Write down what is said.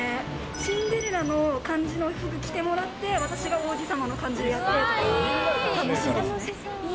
シンデレラの感じの服着てもらって、私が王子様の感じできて、楽しいですね。